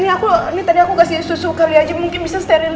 ini tadi aku kasih susu kali aja mungkin bisa sterilin mas